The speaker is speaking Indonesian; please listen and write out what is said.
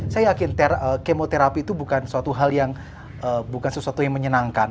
saya yakin kemoterapi itu bukan sesuatu yang menyenangkan